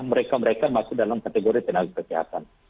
mereka mereka masuk dalam kategori tenaga kesehatan